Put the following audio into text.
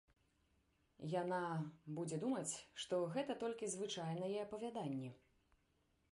Яна будуць думаць, што гэта толькі звычайнае апавяданне.